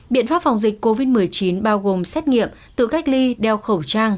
biện pháp phòng dịch covid một mươi chín bao gồm xét nghiệm tự cách ly đeo khẩu trang